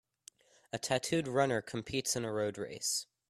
A tattooed runner competes in a road race.